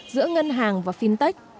giữa ngân hàng và fintech